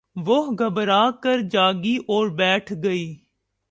وہ گھبرا کر جاگی اور بیٹھ گئی